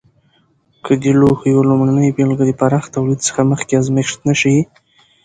که د لوښو یوه لومړنۍ بېلګه د پراخ تولید څخه مخکې ازمېښت نه شي.